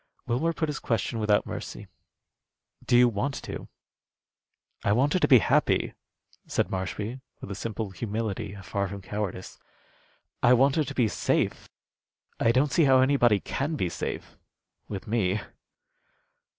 Wilmer put his question without mercy. "Do you want to?" "I want her to be happy," said Marshby, with a simple humility afar from cowardice. "I want her to be safe. I don't see how anybody could be safe with me."